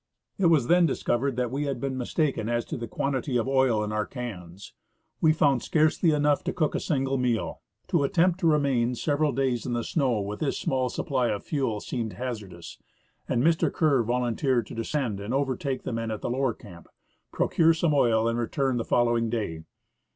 It was then discovered that we had been mistaken as to the quantity of oil in our cans ; we found scarcely enough to cook a single meal. To attempt to remain several days in the snow with this small supply of fuel seemed hazardous, and Mr. Kerr volunteered to descend and overtake the men at the lower camp, procure some oil, and return the follow ing day.